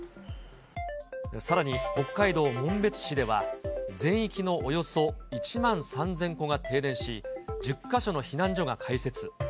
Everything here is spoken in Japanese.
さらに北海道紋別市では、全域のおよそ１万３０００戸が停電し、１０か所の避難所が開設。